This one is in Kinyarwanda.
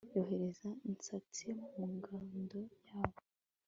yohereza intasi mu ngando yabo